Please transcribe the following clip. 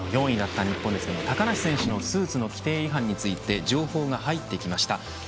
４位だった日本ですけど高梨選手のスーツの規定違反について情報が入ってきました。